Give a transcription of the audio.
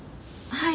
はい。